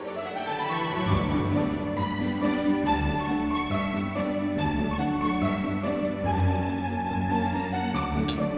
nggak ada uang nggak ada uang